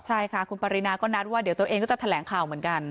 ใช่ค่ะคุณปรินาก็นัดว่าเดี๋ยวตัวเองก็จะแถลงข่าวเหมือนกัน